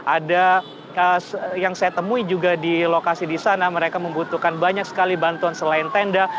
ada yang saya temui juga di lokasi di sana mereka membutuhkan banyak sekali bantuan selain tenda